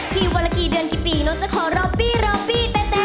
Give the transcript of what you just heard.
กี่วันละกี่เดือนกี่ปีน้องจะขอรอบบี้รอบบี้แต่